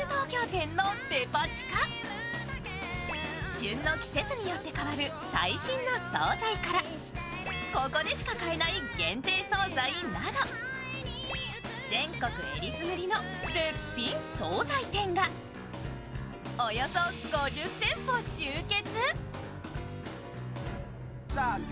旬の季節によって変わる最新の惣菜からここでしか買えない限定惣菜など全国選りすぐりの絶品惣菜店がおよそ５０店舗集結。